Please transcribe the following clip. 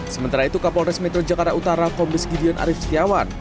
sementara itu kapolres metro jakarta utara kombes gideon arief setiawan